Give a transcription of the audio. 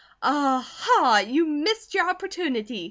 "Aha! You missed your opportunity!"